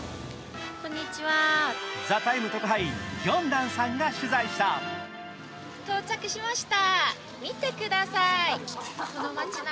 ＴＨＥＴＩＭＥ特派員ギョンランさんが取材した。